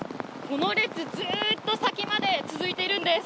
この列、ずっと先まで続いているんです。